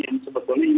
yang sebetulnya ini